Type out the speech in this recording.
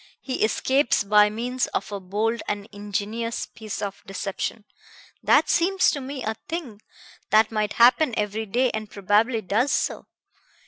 He escapes by means of a bold and ingenious piece of deception. That seems to me a thing that might happen every day and probably does so."